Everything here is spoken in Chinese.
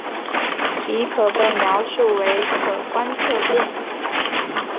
其可被描述为可观测变异。